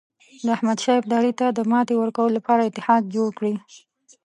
د احمدشاه ابدالي ته د ماتې ورکولو لپاره اتحاد جوړ کړي.